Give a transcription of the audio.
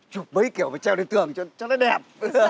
chụp mấy kiểu mà treo lên tường cho nó đẹp